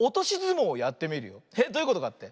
えっどういうことかって？